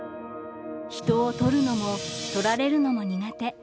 人を撮るのも撮られるのも苦手。